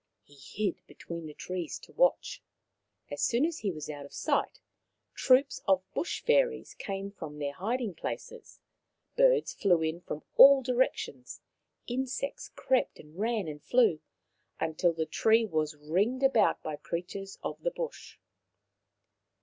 He hid between the trees to watch. As soon as he was out of sight troops of Bush fairies came from their hiding places, birds flew in from all directions, insects crept and ran and flew, until the tree was ringed about by creatures of the bush.